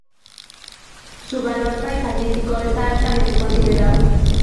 Su valor paisajístico está altamente considerado.